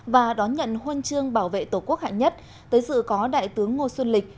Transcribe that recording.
và đón nhận huân chương bảo vệ tổ quốc hạng nhất tới dự có đại tướng ngô xuân lịch